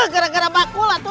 gara gara bambak cool atu